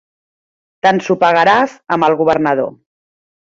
T'ensopegaràs amb el Governador.